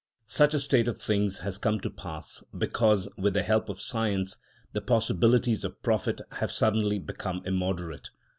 Such a state of things has come to pass because, with the help of science, the possibilities of profit have suddenly become immoderate.